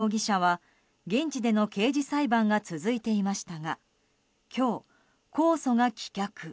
容疑者小島智信容疑者は現地での刑事裁判が続いていましたが今日、公訴が棄却。